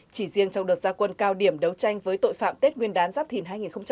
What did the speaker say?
chỉ riêng trong đợt gia quân cao điểm đấu tranh với tội phạm tết nguyên đán giáp thìn hai nghìn hai mươi bốn